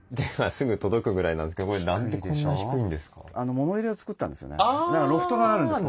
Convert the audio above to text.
もの入れを作ったんですよね。